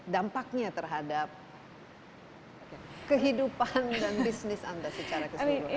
dampaknya terhadap kehidupan dan bisnis anda secara keseluruhan